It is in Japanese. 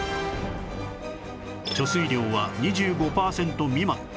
貯水量は２５パーセント未満